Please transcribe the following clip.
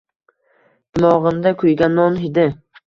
Dimog’imda kuygan non hidi!..